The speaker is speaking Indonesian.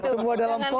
semua dalam pol